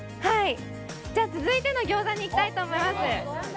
続いての餃子にいきたいと思います。